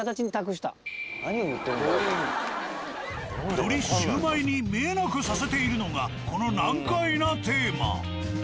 よりシウマイに見えなくさせているのがこの難解なテーマ。